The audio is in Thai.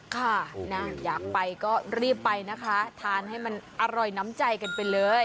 ค่ะนะอยากไปก็รีบไปนะคะทานให้มันอร่อยน้ำใจกันไปเลย